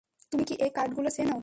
তুমি কি এই কার্ডগুলো চেনো?